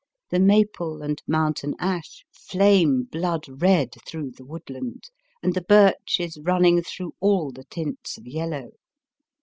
The maple and mountain ash flame blood red through the woodland, and the birch is run ning through all the tints of yellow.